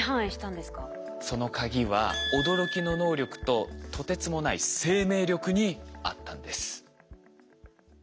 その鍵は驚きの能力ととてつもない生命力にあったんです。